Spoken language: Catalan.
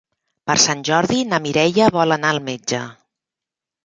Per Sant Jordi na Mireia vol anar al metge.